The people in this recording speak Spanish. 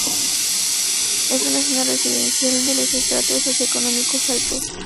Es una zona residencial de los estratos socio-económicos altos.